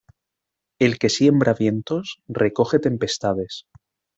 El que siembra vientos recoge tempestades.